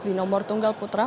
di nomor tunggal putra